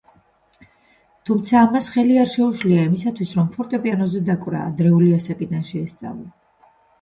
თუმცა ამას ხელი არ შეუშლია იმისათვის რომ ფორტეპიანოზე დაკვრა ადრეული ასაკიდან შეესწავლა.